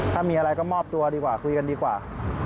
ถ้ามีอะไรก็มอบตัวดีกว่าคุยกันดีกว่า